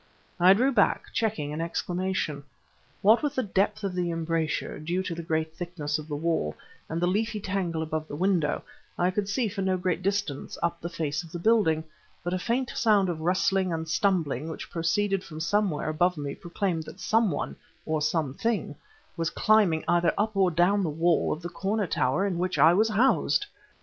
I drew back, checking an exclamation. What with the depth of the embrasure, due to the great thickness of the wall, and the leafy tangle above the window, I could see for no great distance up the face of the building; but a faint sound of rustling and stumbling which proceeded from somewhere above me proclaimed that some one, or something, was climbing either up or down the wall of the corner tower in which I was housed!